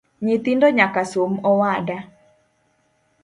Nyithindo nyaka som awada